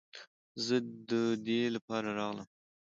زه د دې لپاره راغلم.